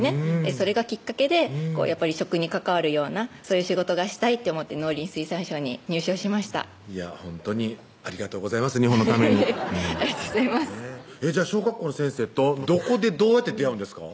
それがきっかけでやっぱり食に関わるようなそういう仕事がしたいって思って農林水産省に入省しましたほんとにありがとうございます日本のためにありがとうございますじゃあ小学校の先生とどこでどうやって出会うんですか？